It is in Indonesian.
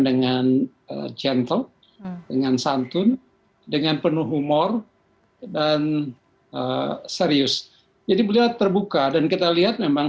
dengan gentle dengan santun dengan penuh humor dan serius jadi beliau terbuka dan kita lihat memang